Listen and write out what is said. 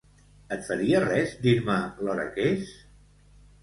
Et faria res dir-me l'hora que és?